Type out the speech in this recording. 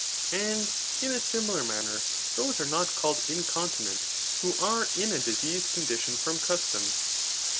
And in a similar manner those are not called incontinent, who are in a diseased condition from custom.